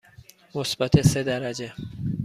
مثبت سه درجه.